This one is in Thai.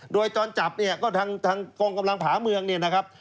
โดยตอนจับเนี่ยก็ทางกองกำลังผาเมืองเนี่ยนะครับ